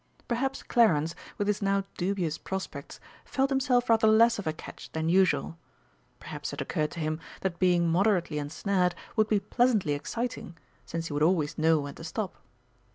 Perhaps Clarence, with his now dubious prospects, felt himself rather less of a catch than usual; perhaps it occurred to him that being moderately ensnared would be pleasantly exciting, since he would always know when to stop.